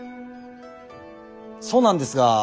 そうなんですが。